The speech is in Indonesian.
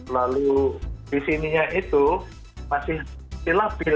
lalu di sininya itu masih labil